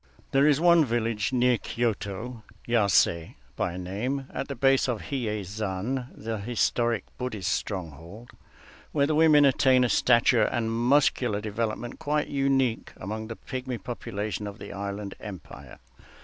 There is one village near Kyōto, Yasé by name, at the base of Hiyéi Zan, the historic Buddhist stronghold, where the women attain a stature and muscular development quite unique among the pigmy population of the island empire.